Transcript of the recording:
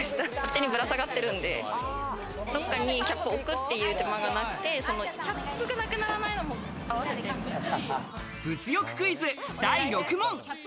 手にぶら下がってるんで、どっかにキャップを置くっていう手間がなくてキャップがなくなら物欲クイズ第６問。